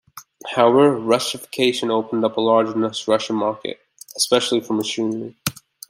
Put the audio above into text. However, Russification opened up a large Russian market especially for machinery.